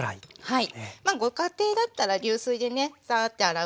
はい。